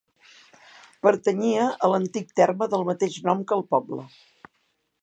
Pertanyia a l'antic terme del mateix nom que el poble.